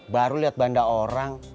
baru liat banda orang